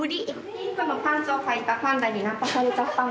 ピンクのパンツをはいたパンダにナンパされちゃったの。